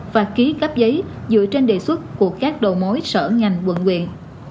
và ký cắp giấy dựa trên đề xuất của các đầu mối sở ngành quận quyện